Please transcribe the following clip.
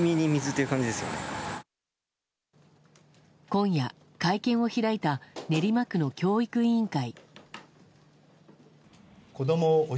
今夜、会見を開いた練馬区の教育委員会。